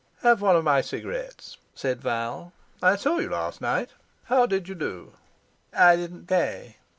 "Have one of my cigarettes?" said Val. "I saw you last night. How did you do?" "I didn't play."